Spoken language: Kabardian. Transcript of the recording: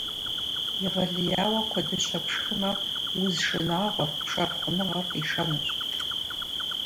Егъэлеяуэ куэдыщэ пшхымэ, уз шынагъуэр — пшэр хъуныгъэр — къишэнущ.